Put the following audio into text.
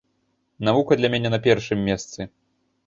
Навука для мяне на першым месцы.